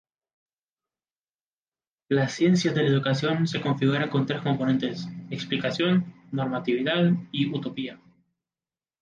Las ciencias de la educación se configuran con tres componentes: explicación, normatividad y utopía.